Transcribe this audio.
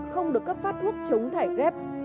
không được cấp phát thuốc chống thải ghép